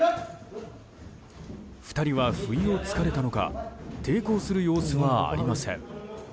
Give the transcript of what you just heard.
２人は不意を突かれたのか抵抗する様子はありません。